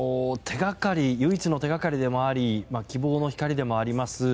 唯一の手掛かりでもあり希望の光でもあります